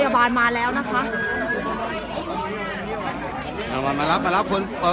ก็ไม่มีใครกลับมาเมื่อเวลาอาทิตย์เกิดขึ้น